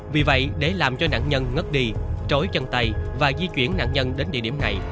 vì vậy để làm cho nạn nhân ngất đi trối chân tay và di chuyển nạn nhân đến địa điểm này